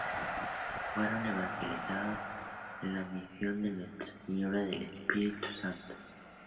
Fueron evangelizados en la misión de Nuestra señora del Espíritu Santo.